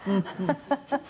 ハハハハ！」